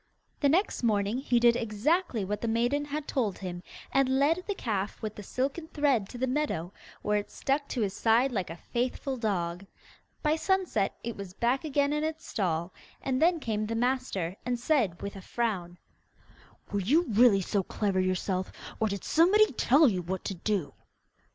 The next morning he did exactly what the maiden had told him, and led the calf with the silken thread to the meadow, where it stuck to his side like a faithful dog. By sunset, it was back again in its stall, and then came the master and said, with a frown, 'Were you really so clever yourself, or did somebody tell you what to do?